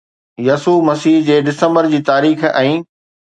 يسوع مسيح جي ڊسمبر جي تاريخ ۽